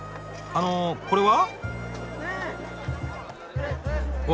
あのこれは？